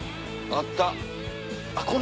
あった！